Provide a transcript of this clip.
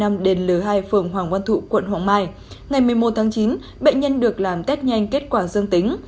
mùa tháng chín bệnh nhân được làm test nhanh kết quả dương tính